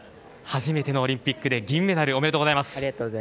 初めてのオリンピックで銀メダル。おめでとうございます。